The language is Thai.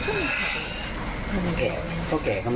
เจ้าแก่ก็มันใช่นะ